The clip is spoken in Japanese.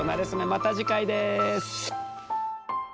また次回です。